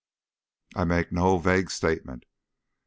I make no vague statement.